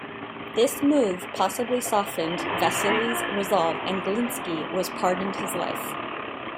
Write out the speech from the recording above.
This move possibly softened Vasili's resolve and Glinski was pardoned his life.